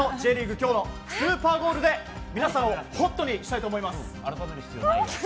今日のスーパーゴールで皆さんをホットにしたいと思います。